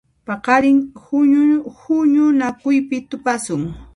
Paqarin huñunakuypi tupasun.